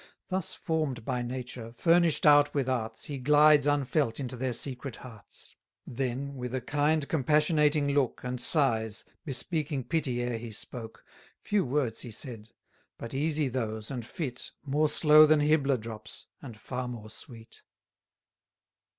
Thus form'd by nature, furnish'd out with arts, He glides unfelt into their secret hearts. Then, with a kind compassionating look, And sighs, bespeaking pity ere he spoke, Few words he said; but easy those and fit, More slow than Hybla drops, and far more sweet.